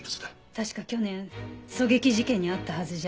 確か去年狙撃事件に遭ったはずじゃ。